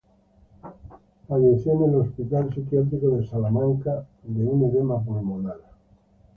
Falleció en el Hospital Psiquiátrico de Salamanca de un edema pulmonar.